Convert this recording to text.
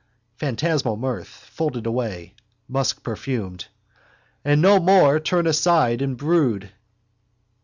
Phantasmal mirth, folded away: muskperfumed. And no more turn aside and brood.